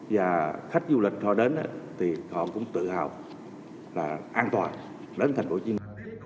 và khách du lịch họ đến thì họ cũng tự hào là an toàn đến tp hcm